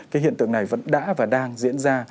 cái hiện tượng này vẫn đã và đang diễn ra